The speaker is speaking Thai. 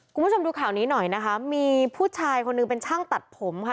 คุณผู้ชมดูข่าวนี้หน่อยนะคะมีผู้ชายคนหนึ่งเป็นช่างตัดผมค่ะ